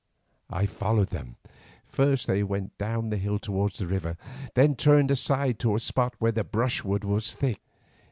I followed them; first they went down the hill towards the river, then turned aside to a spot where the brushwood was thick.